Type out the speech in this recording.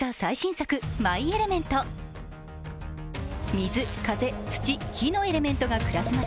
水・風・土・火の４つのエレメントが暮らす街